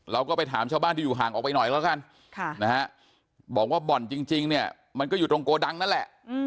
เราก็ไปถามชาวบ้านที่อยู่ห่างออกไปหน่อยแล้วกันบอกว่าบ่อนจริงเนี่ยมันก็อยู่ตรงโกดังนั่นแหละ